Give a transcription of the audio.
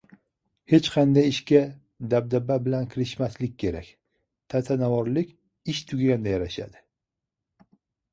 Hech qanday ishga dabdaba bilan kirishmaslik kerak: tantanavorlik ish tugaganda yarashadi.